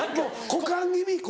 股間気味？